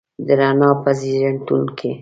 د رڼا په زیږنتون کې